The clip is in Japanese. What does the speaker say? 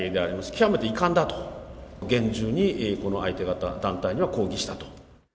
極めて遺憾だと、厳重に、この相手方、団体には抗議したと。